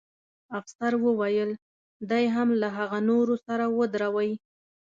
افسر وویل: دی هم له هغه نورو سره ودروئ.